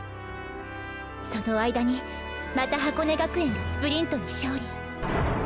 その間にまた箱根学園がスプリントに勝利。